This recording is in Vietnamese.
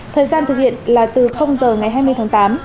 thời gian thực hiện là từ giờ ngày hai mươi tháng tám